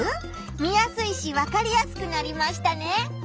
見やすいしわかりやすくなりましたね。